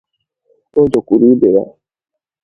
o jekwuru ibe ya